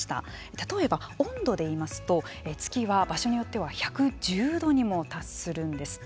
例えば、温度でいいますと月は場所によっては１１０度にも達するんです。